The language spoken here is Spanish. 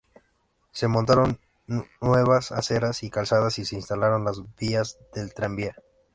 Se montaron nuevas aceras y calzadas y se instalaron las vías del tranvía.